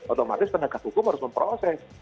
otomatis penegak hukum harus memproses